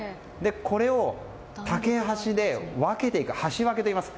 これを竹箸で分けていく箸分けといいます。